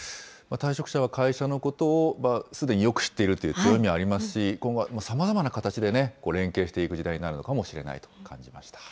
退職者は会社のことをすでによく知っているという強みがありますし、今後はさまざまな形で連携していく時代になるのかもしれないと感じました。